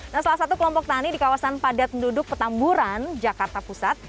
nah salah satu kelompok tani di kawasan padat penduduk petamburan jakarta pusat